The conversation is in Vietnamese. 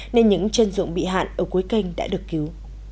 nên những chân ruộng bị hạn ở cuối canh đã được cứu